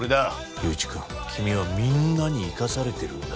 雄一くん君はみんなに生かされてるんだよ。